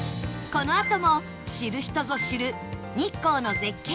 このあとも知る人ぞ知る日光の絶景